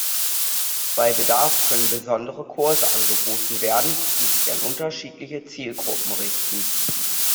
Bei Bedarf können besondere Kurse angeboten werden, die sich an unterschiedliche Zielgruppen richten.